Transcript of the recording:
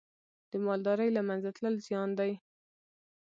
د مالدارۍ له منځه تلل زیان دی.